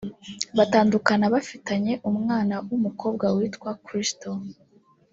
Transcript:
batandukana bafitanye umwana w’umukobwa witwa Crystal